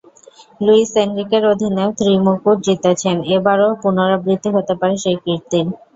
Luis এনরিকের অধীনেও ত্রিমুকুট জিতেছেন, এবারও পুনরাবৃত্তি হতে পারে সেই কীর্তির।